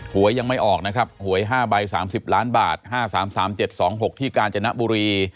หวยยังไม่ออกนะครับหวย๕ใบ๓๐ล้านบาท๕๓๓๗๒๖ที่กาญจนบุรี